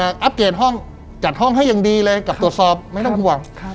กลับตรวจสอบไม่ต้องห่วง